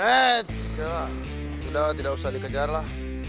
eh udah lah tidak usah dikejar lah